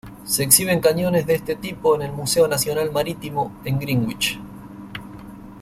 Se exhiben cañones de este tipo en el Museo Nacional Marítimo en Greenwich.